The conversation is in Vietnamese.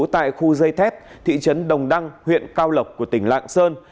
tại khu dây thép thị trấn đồng đăng huyện cao lộc của tỉnh lạng sơn